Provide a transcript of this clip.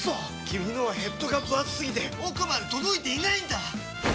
君のはヘッドがぶ厚すぎて奥まで届いていないんだっ！